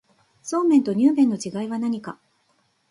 そうめんとにゅう麵の違いは何か